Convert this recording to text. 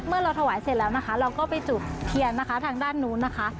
เมื่อเราถวายเสร็จแล้วนะคะเราก็ไปจุดเทียนนะคะทางด้านนู้นนะคะ